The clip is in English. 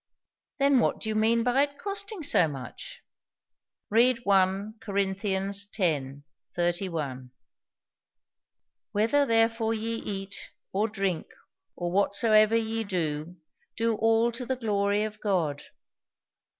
"Then what do you mean by its 'costing so much'?" "Read 1 Cor. x. 31." "'Whether therefore ye eat, or drink, or whatsoever ye do, do all to the glory of God.'"